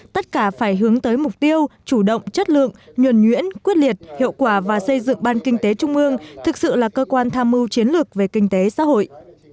tất cả phải hướng tới mục tiêu chủ động chất lượng nhuẩn nhuyễn quyết liệt hiệu quả và xây dựng ban kinh tế trung ương thực sự là cơ quan tham mưu chiến lược về kinh tế xã hội